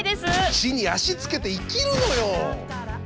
地に足つけて生きるのよ！